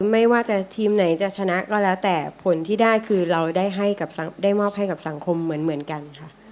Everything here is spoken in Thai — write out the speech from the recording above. ไม่ว่าจะทีมไหนจะชนะก็แล้วแต่ผลที่ได้คือเราได้มอบให้กับสังคมเหมือนกันค่ะ